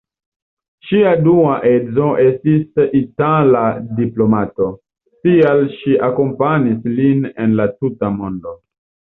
Ŝia dua edzo estis itala diplomato, tial ŝi akompanis lin en la tuta mondo.